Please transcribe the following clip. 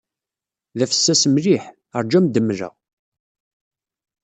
D afessas mliḥ. Ṛju ad am-mleɣ.